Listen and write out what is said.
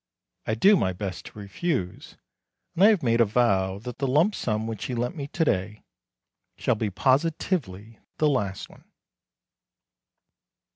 I do my best to refuse, and I have made a vow that the lump sum which he lent me to day shall be positively the last one.